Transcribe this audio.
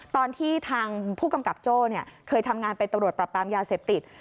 ตอนที่ทางผู้กำกับโจ้เคยทำงานเป็นตำรวจปรับปรามยาเสพติด